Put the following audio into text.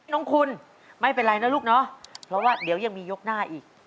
น้องคุณไม่เป็นไรนะลูกเนาะเพราะว่าเดี๋ยวยังมียกหน้าอีก